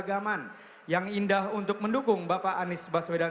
dan beragaman yang indah untuk mendukung bapak anies baswedan